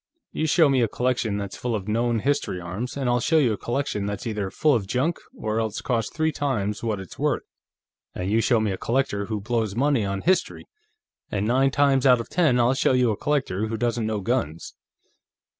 "You show me a collection that's full of known history arms, and I'll show you a collection that's either full of junk or else cost three times what it's worth. And you show me a collector who blows money on history, and nine times out of ten I'll show you a collector who doesn't know guns.